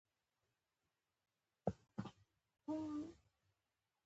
د ولیکئ په برخه کې سمې ګرامري جملې ولیکئ.